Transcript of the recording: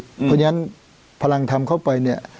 เพราะฉะนั้นภารกิจพลังธรรมเข้าไป